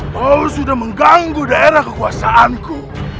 kau sudah mengganggu daerah kekuasaanku